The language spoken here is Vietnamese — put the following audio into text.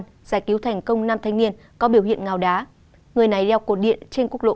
giải cứu thành công năm thanh niên có biểu hiện ngào đá người này leo cột điện trên quốc lộ hai mươi hai